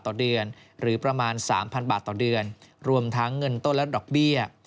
ต่อเดือนหรือประมาณ๓๐๐บาทต่อเดือนรวมทั้งเงินต้นและดอกเบี้ย